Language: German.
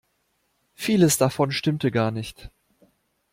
Vieles davon stimmte gar nicht.